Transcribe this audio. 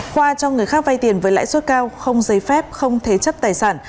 khoa cho người khác vay tiền với lãi suất cao không giấy phép không thế chấp tài sản